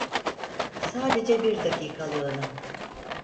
Sadece bir dakikalığına.